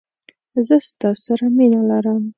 زه ستا سره مینه لرم